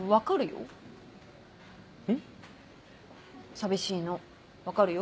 寂しいの分かるよ。